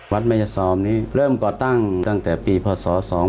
วัดแม่ซอมนี้เริ่มก่อตั้งตั้งแต่ปีพศ๒๕๖